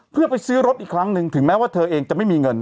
เพื่อไปซื้อรถอีกครั้งหนึ่งถึงแม้ว่าเธอเองจะไม่มีเงิน